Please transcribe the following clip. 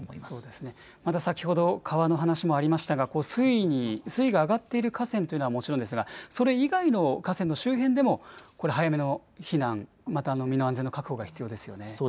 また先ほど川の話もありましたが、水位が上がっている河川というのはもちろんですが、それ以外の河川の周辺でも、これ、早めの避難、また身の安全の確保が必要ですよね。